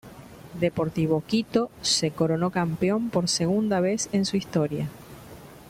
Deportivo Quito se coronó campeón por segunda vez en su historia.